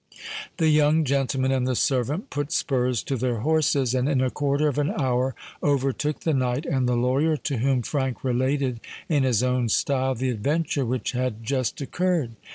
The young gentleman and the servant put spurs to their horses, and in a quarter of an hour overtook the knight and the lawyer, to whom Frank related in his own style the adventure which had just occurred.